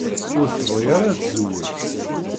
Ur tebɣi ara ad tezweǧ.